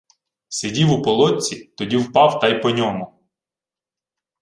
— Сидів у полотці, тоді впав та й по ньому...